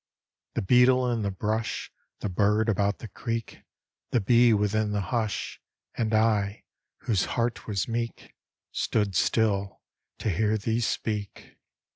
The beetle in the brush, The bird about the creek, The bee within the hush, And I, whose heart was meek, Stood still to hear these speak.